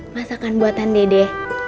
masakan buatan dede